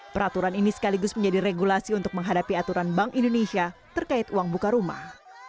peraturan ini sekaligus menjadi regulasi untuk menghadapi aturan bank indonesia terkait uang buka rumah